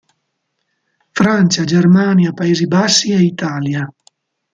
Francia, Germania, Paesi Bassi e Italia.